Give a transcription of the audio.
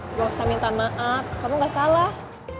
nggak usah minta maaf kamu nggak salah